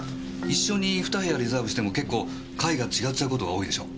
一緒に２部屋リザーブしても結構階が違っちゃう事が多いでしょ。